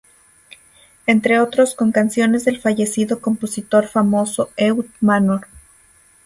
Entre otros con canciones del fallecido compositor famoso Ehud Manor.